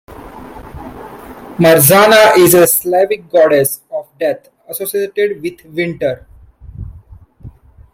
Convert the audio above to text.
Marzanna is a Slavic goddess of death, associated with winter.